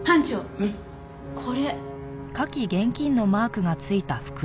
えっ？これ。